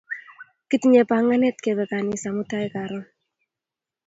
Kitinye panganet kepe kanisa mutai karon